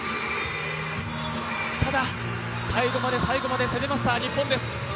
ただ、最後まで最後まで攻めました、日本です。